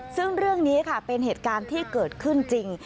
ซึ่งเรื่องนี้ค่ะเป็นเหตุการณ์ที่เกิดขึ้นจริง